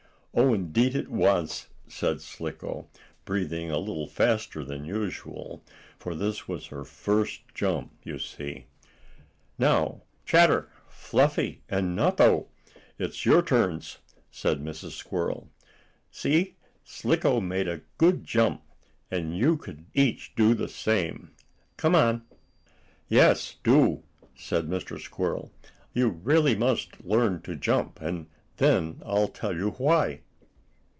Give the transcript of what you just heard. "Oh, indeed it was," said Slicko, breathing a little faster than usual, for this was her first jump, you see. "Now, Chatter, Fluffy and Nutto! It's your turns!" said Mrs. Squirrel. "See, Slicko made a good jump, and you can each do the same. Come on." "Yes, do!" said Mr. Squirrel. "You really must learn to jump, and then I'll tell you why."